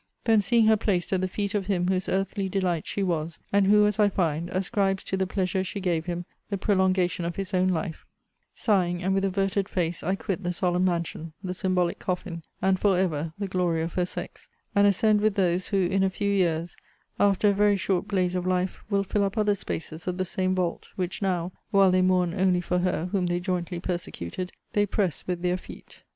Then seeing her placed at the feet of him whose earthly delight she was; and who, as I find, ascribes to the pleasure she gave him the prolongation of his own life;* sighing, and with averted face, I quit the solemn mansion, the symbolic coffin, and, for ever, the glory of her sex; and ascend with those, who, in a few years, after a very short blaze of life, will fill up other spaces of the same vault, which now (while they mourn only for her, whom they jointly persecuted) they press with their feet. * See Vol. I. Letter V.